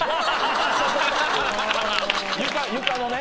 床のね。